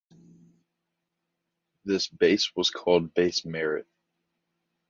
This base was called Base Marret.